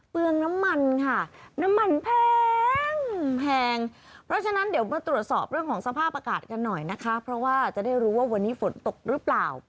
แพงเพราะฉะนั้นเดี๋ยวมาตรวจสอบเรื่องของสภาพอากาศกันหน่อยนะคะเพราะว่าจะได้รู้ว่าวันนี้ฝนตกหรือเปล่า